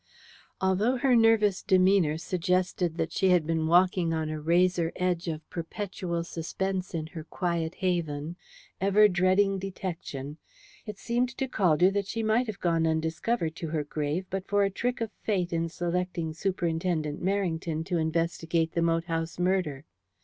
Although her nervous demeanour suggested that she had been walking on a razor edge of perpetual suspense in her quiet haven, ever dreading detection, it seemed to Caldew that she might have gone undiscovered to her grave but for a trick of Fate in selecting Superintendent Merrington to investigate the moat house murder.